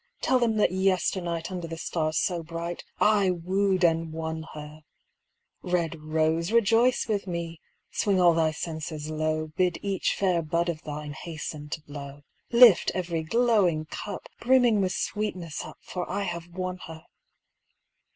Tell them that yesternight Under the stars so bright, I wooed and won her ! Red rose, rejoice with me ! Swing all thy censers low, Bid each fair bud of thine Hasten to blow. Lift every glowing cup Brimming with sweetness up, For — I have won her